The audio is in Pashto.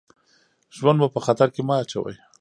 ژوند مو په خطر کې مه اچوئ.